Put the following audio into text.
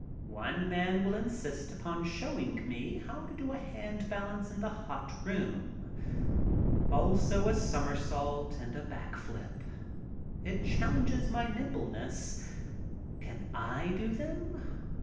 One man will insist upon showing me how to do a hand balance in the hot room. Also a somersault and a back flip. It chal lenges my nimbleness. Can I do them?